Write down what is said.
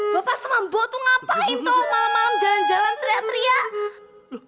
bapak semampu tuh ngapain malam malam jalan jalan teriak teriak